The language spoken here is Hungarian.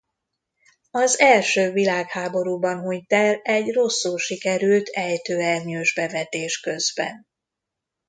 Az első világháborúban hunyt el egy rosszul sikerült ejtőernyős bevetés közben.